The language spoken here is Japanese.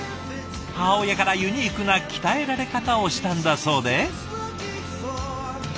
母親からユニークな鍛えられ方をしたんだそうで。